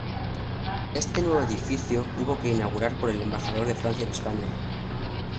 Este nuevo edificio hubo que inaugurar por el embajador de Francia en España.